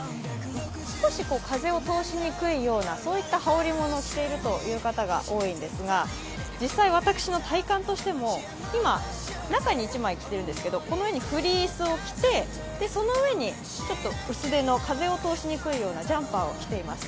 少し風を通しにくいような羽織り物を着ているという方が多いんですが、実際私の体感としても、今、中に１枚着てるんですけどこの上にフリースを着て、その上に薄手の風を通しにくいようなジャンパーを着ています。